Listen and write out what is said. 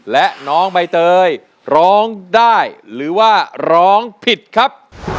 และน้องใบเตยร้องได้หรือว่าร้องผิดครับ